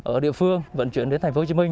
ở địa phương vận chuyển đến tp hcm